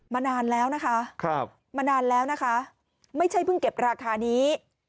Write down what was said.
มานานแล้วนะคะมานานแล้วนะคะไม่ใช่เพิ่งเก็บราคานี้